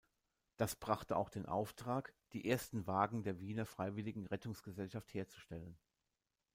Das brachte auch den Auftrag die ersten Wagen der Wiener Freiwilligen Rettungsgesellschaft herzustellen.